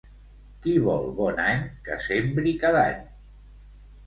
Qui vol bon any, que sembri cada any.